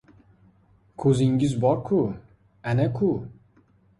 — Ko‘zingiz bor-ku, ana-ku.